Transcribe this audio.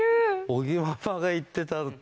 尾木ママが言ってたのだ。